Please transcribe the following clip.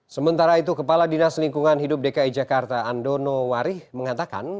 sementara itu kepala dinas lingkungan hidup dki jakarta andono warih mengatakan